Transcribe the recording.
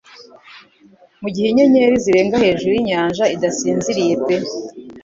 Mugihe inyenyeri zirenga hejuru yinyanja idasinziriye pe